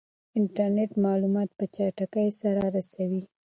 انټرنیټ معلومات په چټکۍ سره رسوي.